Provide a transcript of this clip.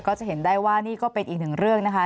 ก็จะเห็นได้ว่านี่ก็เป็นอีกหนึ่งเรื่องนะคะ